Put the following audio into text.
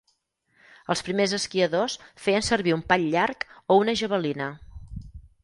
Els primers esquiadors feien servir un pal llarg o una javelina.